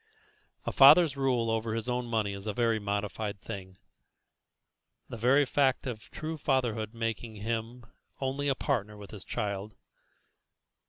A father's rule over his own money is a very modified thing, the very fact of true fatherhood making him only a partner with his child.